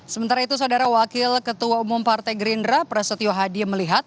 sementara itu saudara wakil ketua umum partai gerindra prasetyo hadi melihat